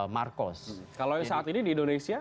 marcos kalau saat ini di indonesia